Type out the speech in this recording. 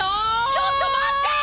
ちょっと待って！